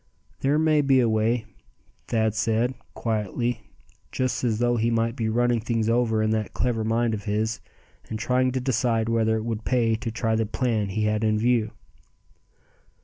"There may be a way," Thad said, quietly, just as though he might be running things over in that clever mind of his, and trying to decide whether it would pay to try the plan he had in view.